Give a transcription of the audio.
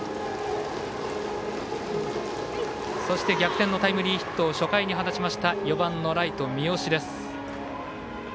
そして、逆転のタイムリーヒットを初回に放った４番、ライトの三好。